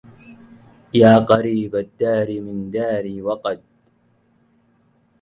يا قريب الدار من داري وقد